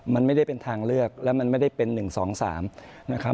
มันไม่ได้เป็นทางเลือกแล้วมันไม่ได้เป็น๑๒๓นะครับ